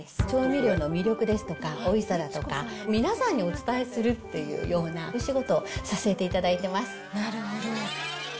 調味料の魅力ですとか、おいしさだとか、皆さんにお伝えするっていうようなお仕事をさせていただいてますなるほど。